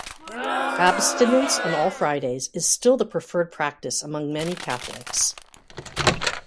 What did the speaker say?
Abstinence on all Fridays is still the preferred practice among many Catholics.